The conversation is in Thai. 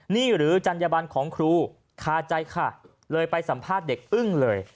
นี่หรือจัญญบันของครูคาใจค่ะเลยไปสัมภาษณ์เด็กอึ้งเลย